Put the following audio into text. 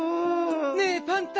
ねえパンタ